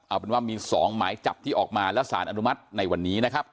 เอาเป็นว่ามี๒หมายจับที่ออกมาและสารอนุมัติในวันนี้นะครับ